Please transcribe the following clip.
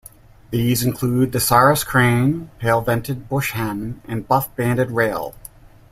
These include the sarus crane, pale-vented bush-hen and buff-banded rail.